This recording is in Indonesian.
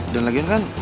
dan lagian kan